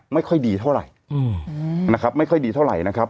ไม่ค่อยดีเท่าไหร่นะครับ